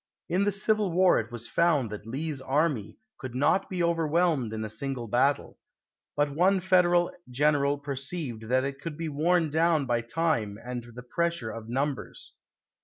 In the Civil War it was found that Lee's army could not be overwhelmed in a single battle, but one Federal general perceived that it could be worn down by time and the pressure of numbers.